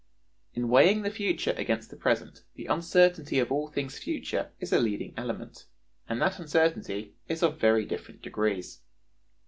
In weighing the future against the present, the uncertainty of all things future is a leading element; and that uncertainty is of very different degrees.